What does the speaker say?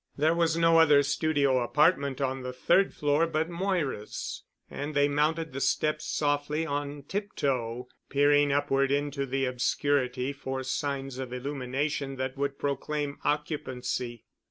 There was no other studio apartment on the third floor but Moira's, and they mounted the steps softly on tiptoe, peering upward into the obscurity for signs of illumination that would proclaim occupancy.